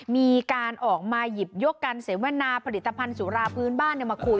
มีการออกมาหยิบยกการเสวนาผลิตภัณฑ์สุราพื้นบ้านมาขุด